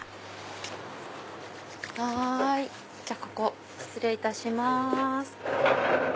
ここ失礼いたします。